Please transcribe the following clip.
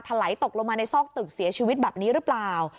ไหลตกลงมาในซอกตึกเสียชีวิตแบบนี้หรือเปล่า